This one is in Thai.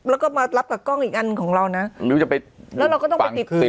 แล้วก็มารับกับกล้องอีกอันของเรานะหรือจะไปแล้วเราก็ต้องไปติดติด